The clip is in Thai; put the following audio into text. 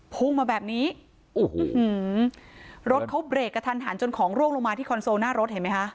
พุ่งมาแบบนี้โอ้โหรถเขาเบรกกระทันหันจนของร่วงลงมาที่คอนโซลหน้ารถเห็นไหมคะ